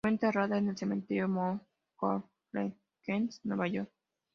Fue enterrada en el Cementerio Mount Lebanon, Glendale, Queens, Nueva York.